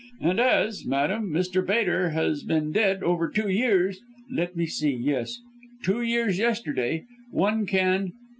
And as, madam, Mr. Bater has been dead over two years let me see yes, two years yesterday one can